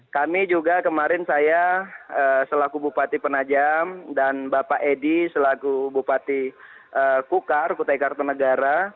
kami juga kemarin saya selaku bupati penajam dan bapak edi selaku bupati kukar kutai kartanegara